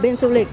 bên du lịch